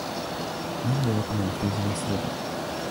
なんでワカメを独り占めするの